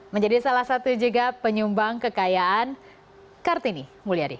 menjadi salah satu juga penyumbang kekayaan kartini mulyadi